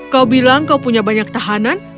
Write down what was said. kau bilang kau punya banyak tahanan